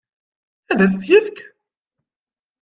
Ad as-tt-yefk?